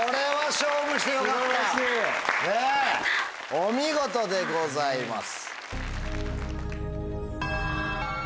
お見事でございます。